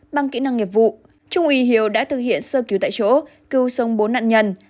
bằng kỹ năng nghiệp vụ trung úy hiếu đã thực hiện sơ cứu tại chỗ cứu sống bốn nạn nhân